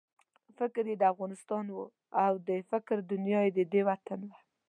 فکر یې د افغانستان وو او د فکر دنیا یې ددې وطن وه.